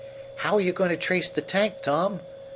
"How are you going to trace the tank, Tom?"